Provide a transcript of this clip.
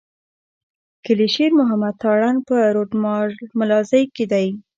کلي شېر محمد تارڼ په رود ملازۍ کي دی.